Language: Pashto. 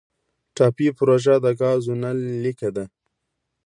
ټاپي پروژه د ګازو نل لیکه ده